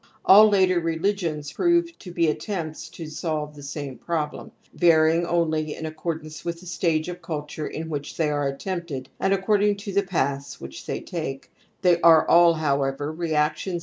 All later religions prove to be attempts tp solve the same problem, varying only in a ccordance with the stage of culture in which they are attempted and according to" the paths"^hi^ they take ; they are all, however,"reailti^iS.